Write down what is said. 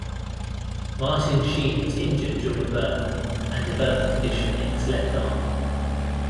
Martin Sheen was injured during birth and developed the condition in his left arm.